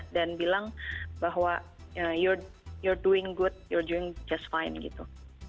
dan bilang bahwa you're doing good you're doing just fine gitu